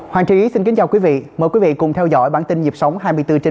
hoàng trí xin kính chào quý vị mời quý vị cùng theo dõi bản tin nhịp sống hai mươi bốn h